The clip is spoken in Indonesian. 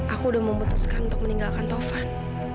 aku udah memutuskan untuk meninggalkan tovan